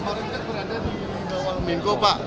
kalau kemarin kan berada di bawah minko pak